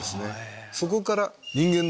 そこから。